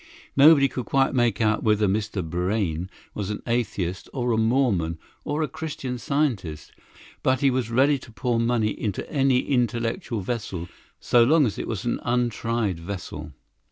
Nobody could quite make out whether Mr. Brayne was an atheist or a Mormon or a Christian Scientist; but he was ready to pour money into any intellectual vessel, so long as it was an untried vessel.